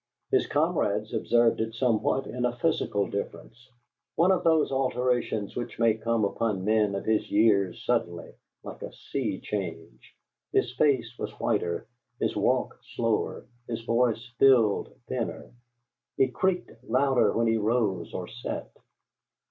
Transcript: His comrades observed it somewhat in a physical difference, one of those alterations which may come upon men of his years suddenly, like a "sea change": his face was whiter, his walk slower, his voice filed thinner; he creaked louder when he rose or sat.